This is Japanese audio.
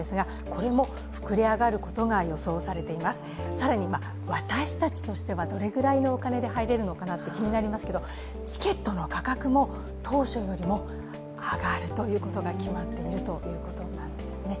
更に私たちとしてはどれぐらいのお金で入れるかなってことが気になりますけど、チケットの価格も当初よりも上がるということが決まっているということなんですね。